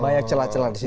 banyak celah celah di situ